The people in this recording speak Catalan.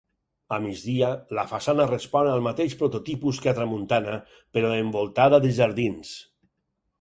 A migdia la façana respon al mateix prototipus que a tramuntana però envoltada de jardins.